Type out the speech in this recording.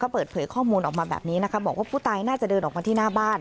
เปิดเผยข้อมูลออกมาแบบนี้นะคะบอกว่าผู้ตายน่าจะเดินออกมาที่หน้าบ้าน